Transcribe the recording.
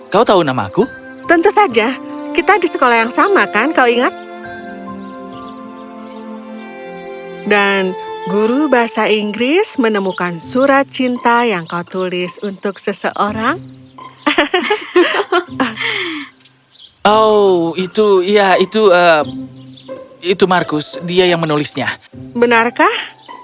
kerajaan yang sangat jauh